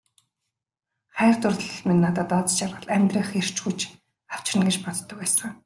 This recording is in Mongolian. Хайр дурлал минь надад аз жаргал, амьдрах эрч хүч авчирна гэж боддог байсан.